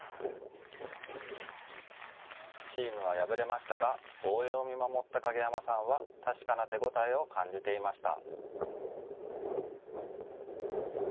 チームは敗れましたが応援を見守った影山さんは確かな手応えを感じていました。